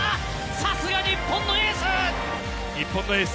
さすが日本のエース。